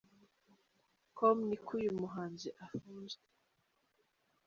com ni uko uyu muhanzi afunzwe.